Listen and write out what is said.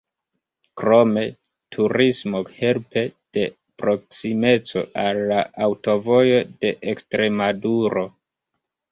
Krome turismo helpe de proksimeco al la Aŭtovojo de Ekstremaduro.